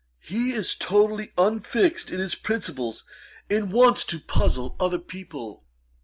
He is totally unfixed in his principles, and wants to puzzle other people.